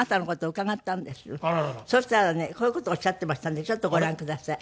そしたらねこういう事をおっしゃってましたんでちょっとご覧ください。